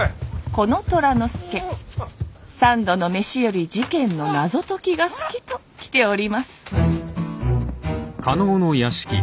この虎之介三度の飯より事件の謎解きが好きときております